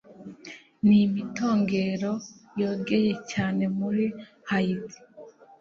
n'imitongero yogeye cyane muri Hayiti.